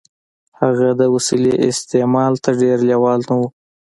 هغه د وسيلې استعمال ته ډېر لېوال نه و.